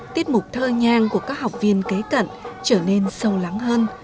tiết mục thơ nhang của các học viên kế cận trở nên sâu lắng hơn